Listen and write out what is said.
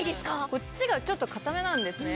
こっちがちょっと硬めなんですね。